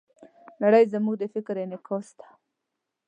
نړۍ زموږ د فکر انعکاس ده.